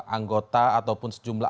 anggota ataupun sejumlah